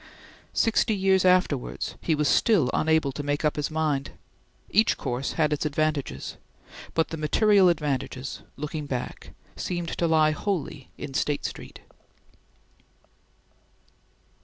Sixty years afterwards he was still unable to make up his mind. Each course had its advantages, but the material advantages, looking back, seemed to lie wholly in State Street.